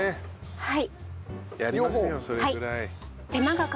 はい。